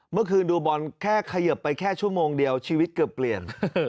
เมื่อคืนดูบอลแค่เขยิบไปแค่ชั่วโมงเดียวชีวิตเกือบเปลี่ยน